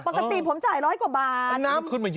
ปกติผมจ่าย๑๐๐กว่าบาท